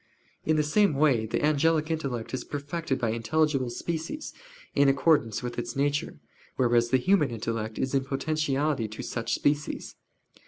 In the same way the angelic intellect is perfected by intelligible species, in accordance with its nature; whereas the human intellect is in potentiality to such species.